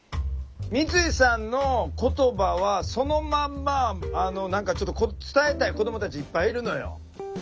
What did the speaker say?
三井さんの言葉はそのまんま何かちょっと伝えたい子どもたちいっぱいいるのよ。